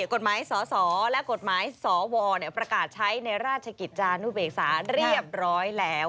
กฎหมายสอสอและกฎหมายสวประกาศใช้ในราชกิจจานุเบกษาเรียบร้อยแล้ว